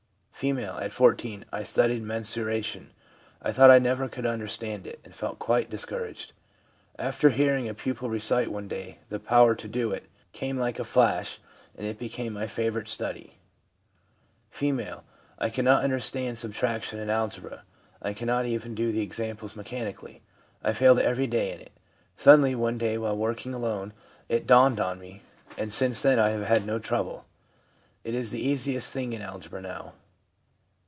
F. 'At 14 I studied mensuration; I thought I never could under stand it, and felt quite discouraged. After hearing a pupil recite one day, the power to do it came like a flash, and it became my favourite study.' F. ' I could not understand subtraction in algebra ; I could not even do the examples mechanically, I failed every day in it. Suddenly one day, while working alone, it dawned on me, and since then I have had no trouble. It is the easiest thing in algebra now.'